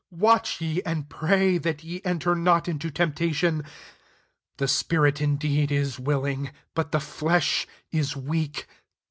41 Watch ye, and pray ; that ye enter not into temptation. The spirit indeed is willing, but the flesh w weak."